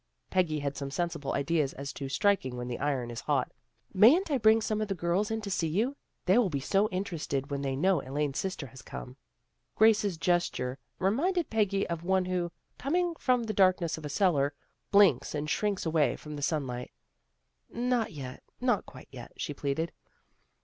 " Peggy had some sensible ideas as to striking when the iron is hot. " Mayn't I bring some of the girls in to see you? They will be so interested when they know Elaine's sister has come." Grace's gesture reminded Peggy of one who, coming from the darkness of a cellar, blinks and shrinks away from the sunshine. " Not yet. Not quite yet," she pleaded.